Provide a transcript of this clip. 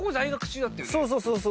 そうそうそうそう。